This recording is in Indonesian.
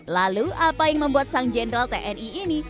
lalu apa yang membuat sang jenderal tni ini